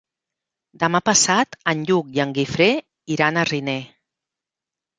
Demà passat en Lluc i en Guifré iran a Riner.